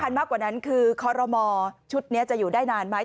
มากกว่านั้นคือคอรมอชุดนี้จะอยู่ได้นานไหม